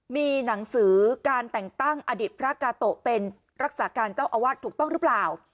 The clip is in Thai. มีหนังสือการแต่งตั้งอดิษฐ์พระกาโตะเป็นรักษาการเจ้าอาวาสถูกต้องหรือเปล่า